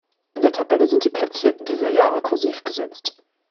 In der Tabelle sind die Platzierten dieser Jahre kursiv gesetzt.